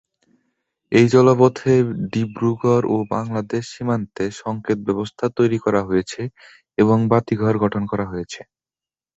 এই জলপথে ডিব্রুগড় ও বাংলাদেশ সীমান্তে সংকেত ব্যবস্থা তৈরি করা হয়েছে এবং বাতিঘর গঠন করা হয়েছে।